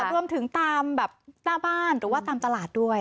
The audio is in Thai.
ร่วมถึงตามหน้าบ้านหรือตามตลาด